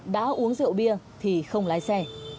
đã uống rượu bia thì không lái xe